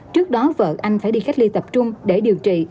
trước đó vợ anh phải đi cách ly tập trung để điều trị